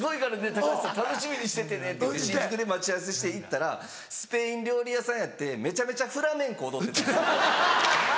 高橋さん楽しみにしててね」って新宿で待ち合わせして行ったらスペイン料理屋さんやってめちゃめちゃフラメンコ踊ってたんですよ。